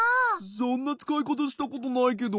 そんなつかいかたしたことないけど。